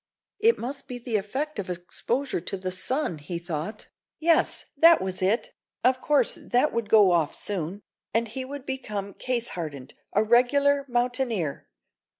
It must be the effect of exposure to the sun, he thought yes, that was it; of course, that would go off soon, and he would become case hardened, a regular mountaineer!